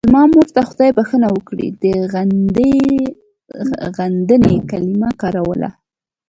زما مور ته خدای بښنه وکړي د غندنې کلمه کاروله.